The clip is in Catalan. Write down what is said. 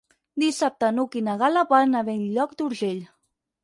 Dissabte n'Hug i na Gal·la van a Bell-lloc d'Urgell.